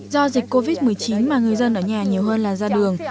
do dịch covid một mươi chín mà người dân ở nhà nhiều hơn là ra đường